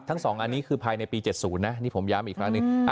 ๒อันนี้คือภายในปี๗๐นะนี่ผมย้ำอีกครั้งหนึ่ง